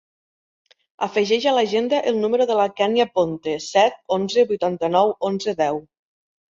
Afegeix a l'agenda el número de la Kènia Ponte: set, onze, vuitanta-nou, onze, deu.